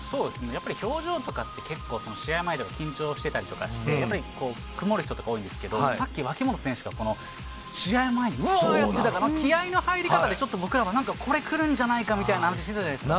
やっぱり表情とかって、結構試合前で緊張してたりとかして、やっぱり人とか多いんですけど、さっき脇本選手が試合前に気合いの入り方でちょっと僕らは、これくるんじゃないかみたいな話なったよね。